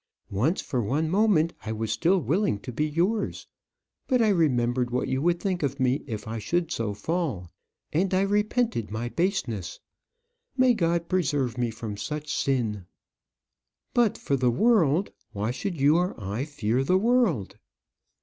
Once, for one moment, I was still willing to be yours; but I remembered what you would think of me if I should so fall, and I repented my baseness. May God preserve me from such sin! But, for the world why should you or I fear the world?"